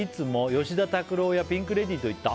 「吉田拓郎やピンク・レディーといった」